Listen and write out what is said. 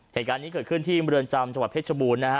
เหตุการณ์นี้เกิดขึ้นที่เมืองจำจังหวัดเพชรบูรณนะฮะ